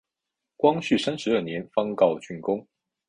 光绪三十二年方告竣工。